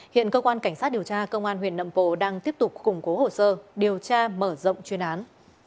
hiện cơ quan cảnh sát điều tra công an huyện nậm pồ đang tiếp tục củng cố hồ sơ điều tra mở rộng chuyên án